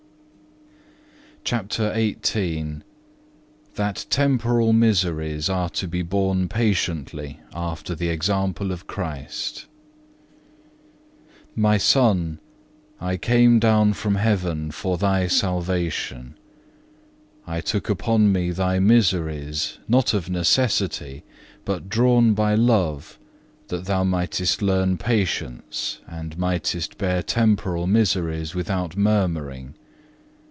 CHAPTER XVIII That temporal miseries are to be borne patiently after the example of Christ "My Son! I came down from heaven for thy salvation; I took upon Me thy miseries not of necessity, but drawn by love that thou mightest learn patience and mightest bear temporal miseries without murmuring.